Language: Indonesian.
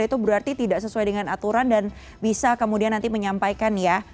itu berarti tidak sesuai dengan aturan dan bisa kemudian nanti menyampaikan ya